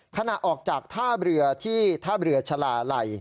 ขณะออกจากท่าเรือที่ท่าเรือชะลาลัย